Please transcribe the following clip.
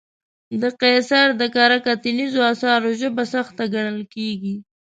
د قیصر د کره کتنیزو اثارو ژبه سخته ګڼل کېږي.